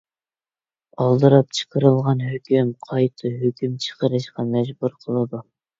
ئالدىراپ چىقىرىلغان ھۆكۈم، قايتا ھۆكۈم چىقىرىشقا مەجبۇر قىلىدۇ.